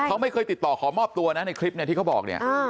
เขาไม่เคยติดต่อขอมอบตัวนะในคลิปที่เขาบอก